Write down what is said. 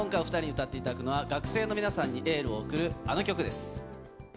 今回お２人に歌っていただくのは学生の皆さんにエールを送る、あの曲です。